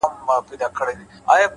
د حقیقت درناوی وجدان روښانوي,